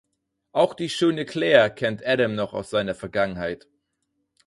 Auch die schöne Clare kennt Adam noch aus seiner Vergangenheit.